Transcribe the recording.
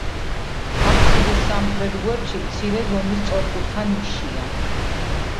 აფსიდის სამხრეთ გვერდში მცირე ზომის სწორკუთხა ნიშია.